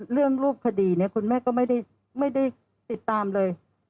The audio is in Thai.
เรื่องรูปคดีเนี่ยคุณแม่ก็ไม่ได้ไม่ได้ติดตามเลย